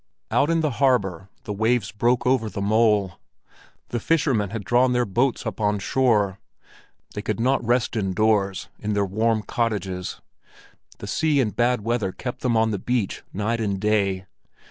Out in the harbor the waves broke over the mole; the fishermen had drawn their boats up on shore. They could not rest indoors in their warm cottages; the sea and bad weather kept them on the beach night and day.